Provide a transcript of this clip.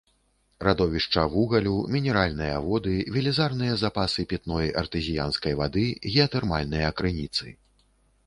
Радовішча вугалю, мінеральныя воды, велізарныя запасы пітной артэзіянскай вады, геатэрмальныя крыніцы.